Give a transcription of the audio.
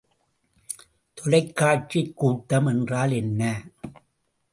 தொலைக்காட்சிக் கூட்டம் என்றால் என்ன?